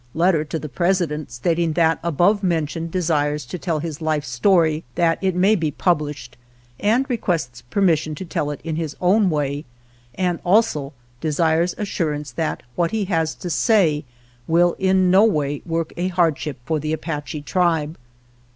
Letter to the President stating that above men tioned desires to tell his life story that it may be pub lished, and requests permission to tell it in his own way, and also desires assurance that what he has to say will in no way work a hardship for the Apache tribe.